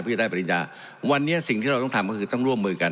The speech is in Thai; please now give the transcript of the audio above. เพื่อจะได้ปริญญาวันนี้สิ่งที่เราต้องทำก็คือต้องร่วมมือกัน